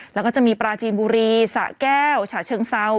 แล้วก็จะมีปราจีนบุรีสะแก้วฉะเชิงเซา